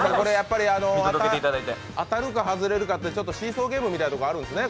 当たるか外れる勝手いうシーソーゲームみたいなところがあるんですね。